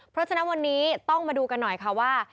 เพราะฉะนั้นวันนี้ต้องมาดูกันหน่อยค่ะว่า